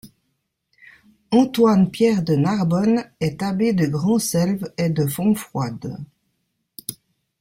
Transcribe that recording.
Antoine Pierre de Narbonne est abbé de Grand Selve et de Fontfroide.